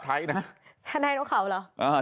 ถ่านายนกเขาเหรอ